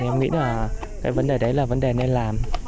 em nghĩ là cái vấn đề đấy là vấn đề nên làm